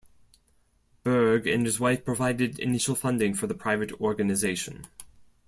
Bergh and his wife provided initial funding for the private organization.